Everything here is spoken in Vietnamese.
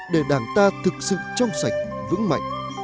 để đảng ta thực sự trong sạch vững mạnh